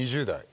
２０代。